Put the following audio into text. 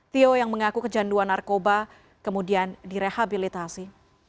tio yang mengaku kecanduan narkoba kemudian direhabilitasi